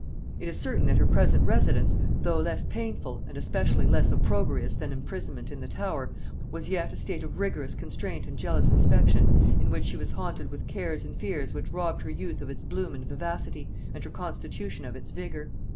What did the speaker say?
It is certain that her present residence, though less painful and especially less opprobrious than imprisonment in the Tower, was yet a state of rigorous constraint and jealous inspection, in which she was haunted with cares and fears which robbed her youth of its bloom and vivacity, and her constitution of its vigor.